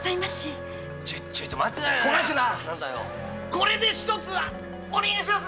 これでひとつお願いします！